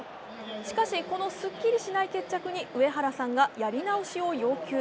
しかし、このすっきりしない決着に上原さんがやり直しを要求。